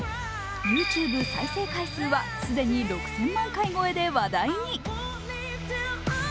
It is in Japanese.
ＹｏｕＴｕｂｅ再生回数は既に６０００万回超えで話題に。